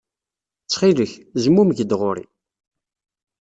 Ttxil-k, zmumeg-d ɣer-i.